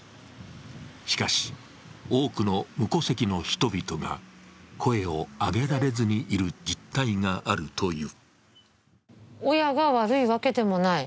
しかし、多くの無戸籍の人々が声を上げられずにいる実態があるという。